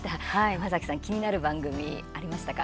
山崎さん気になる番組ありましたか？